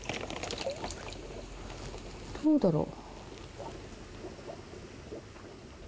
どうだろう。